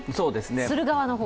する側の方。